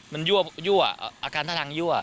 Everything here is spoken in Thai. มันยั่วอาการท่าทางยั่ว